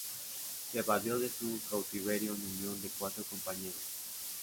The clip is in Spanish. Se evadió de su cautiverio en unión de cuatro compañeros.